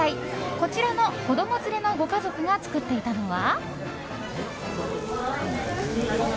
こちらの子供連れのご家族が作っていたのは。